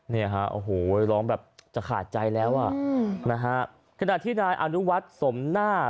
เนอะค่ะโอ้โหหลองแบบจะขาดใจแล้วคณะที่อารุวัติสมหน้า